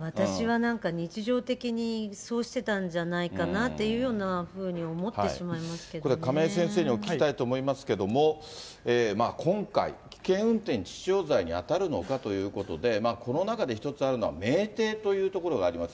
私はなんか、日常的にそうしてたんじゃないかなというようなふうに思ってしま亀井先生にお聞きしたいと思いますけれども、今回、危険運転致死傷罪に当たるのかというところで、この中で一つあるのは、酩酊というところがあります。